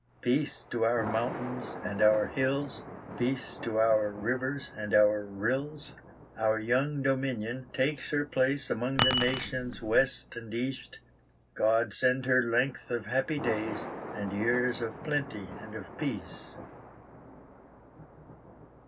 Peace to our mountains and our hills, Peace to our rivers and our rills; Our young Dominion takes her place Among the nations west and east, God send her length of happy days, And years of plenty and of peace!